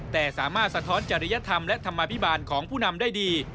แต่สามารถสะท้อนจริยธรรมและธรรมภิบาลของผู้นำได้ดี